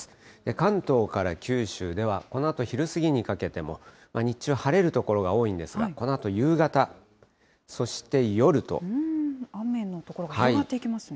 関東から九州では、このあと昼過ぎにかけても日中晴れる所が多いんですが、このあと夕方、そして雨の所が広がっていきますね。